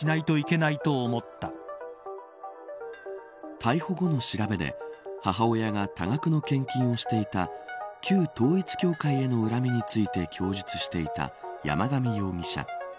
逮捕後の調べで母親が多額の献金をしていた旧統一教会への恨みについて供述していた山上容疑者。